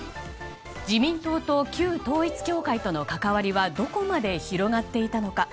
自民党と旧統一教会との関わりはどこまで広がっていたのか。